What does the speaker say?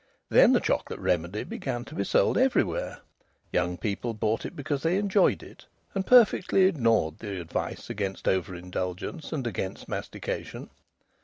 Then the Chocolate Remedy began to be sold everywhere. Young people bought it because they enjoyed it, and perfectly ignored the advice against over indulgence and against mastication.